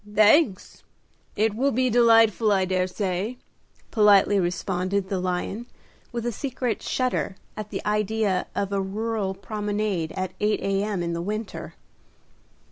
"Thanks; it will be delightful, I dare say," politely responded the lion, with a secret shudder at the idea of a rural promenade at 8 A.M. in the winter.